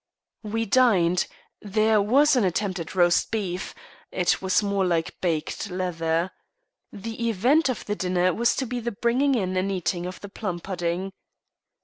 We dined. There was an attempt at roast beef it was more like baked leather. The event of the dinner was to be the bringing in and eating of the plum pudding.